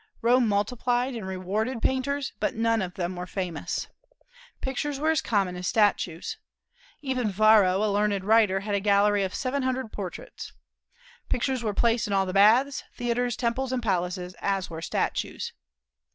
Rome multiplied and rewarded painters, but none of them were famous. Pictures were as common as statues. Even Varro, a learned writer, had a gallery of seven hundred portraits. Pictures were placed in all the baths, theatres, temples, and palaces, as were statues.